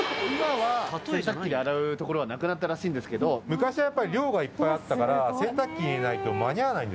今は、洗濯機で洗うところはなくなったらしいんですけど、昔はやっぱり量がいっぱいあったから、洗濯機じゃないと間に合わ